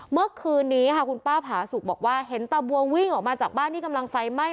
เมื่อคืนนี้ค่ะคุณป้าผาสุกบอกว่าเห็นตาบัววิ่งออกมาจากบ้านที่กำลังไฟไหม้